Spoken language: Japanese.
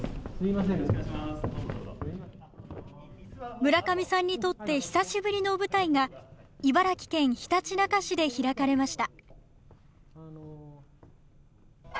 村上さんにとって久しぶりの舞台が、茨城県ひたちなか市で開かれました。